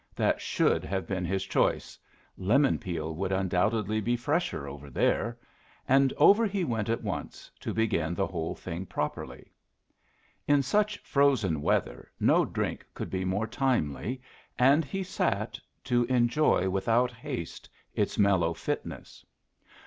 That should have been his choice; lemon peel would undoubtedly be fresher over there; and over he went at once, to begin the whole thing properly. In such frozen weather no drink could be more timely, and he sat, to enjoy without haste its mellow fitness.